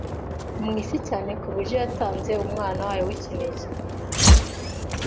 mu isi cyane ku buryo yatanze Umwana wayo w’ikinege”